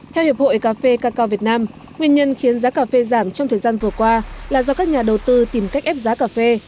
theo hiệp hội cà phê cà cao việt nam nguyên nhân khiến giá cà phê giảm trong thời gian vừa qua là do các nhà đầu tư tìm cách ép giá cà phê